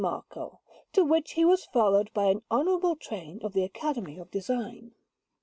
Marco, to which he was followed by an honourable train of the Academy of Design.